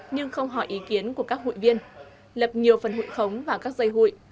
nhưng không hỏi ý kiến của các hụi viên lập nhiều phần hụi khống vào các giây hụi